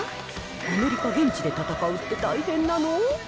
アメリカ現地で戦うって大変なの？